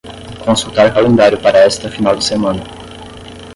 Consultar calendário para esta final de semana.